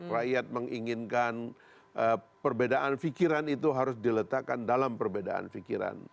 rakyat menginginkan perbedaan fikiran itu harus diletakkan dalam perbedaan fikiran